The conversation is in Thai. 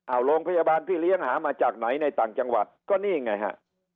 เอาโรงพยาบาลพี่เลี้ยงหามาจากไหนในต่างจังหวัดก็นี่ไงฮะ